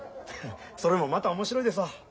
それもまた面白いですわ。